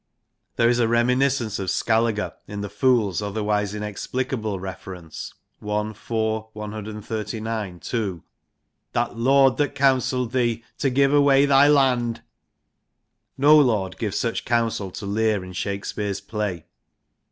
There is a reminiscence of Skalliger in the Fool's otherwise inexplicable reference (I. iv. 139) to 'That lord that counselled thee To give away thy land.' No lord gives such counsel to Lear in Shakespeare's play.